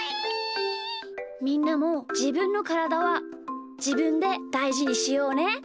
みんなもじぶんのからだはじぶんでだいじにしようね！